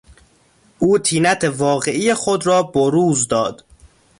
او طینت واقعی خود را بروز داد.